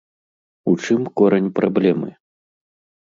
У чым корань праблемы?